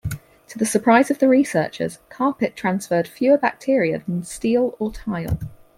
To the surprise of the researchers, carpet transferred fewer bacteria than steel or tile.